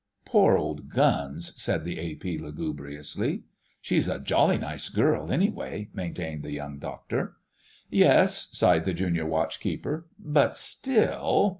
"Poor old Guns!" said the A.P. lugubriously. "She's a jolly nice girl, any way," maintained the Young Doctor. "Yes," sighed the Junior Watch keeper, "but still....